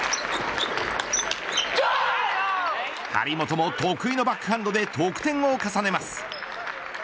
張本も得意のバックハンドで得点を重ねます。